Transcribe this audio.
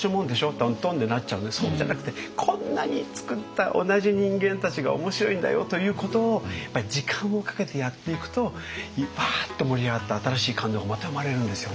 とんとん」でなっちゃうんでそうじゃなくてこんなに作った同じ人間たちが面白いんだよということをやっぱり時間をかけてやっていくとわっと盛り上がって新しい感動がまた生まれるんですよね。